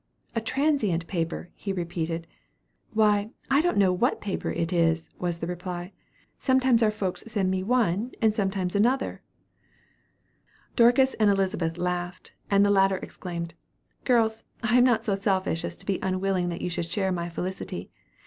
'A transient paper,' he repeated. 'Why, I don't know what paper it is,' was the reply; 'sometimes our folks send me one, and sometimes another.'" Dorcas and Elizabeth laughed, and the latter exclaimed, "Girls, I am not so selfish as to be unwilling that you should share my felicity.